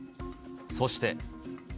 そして。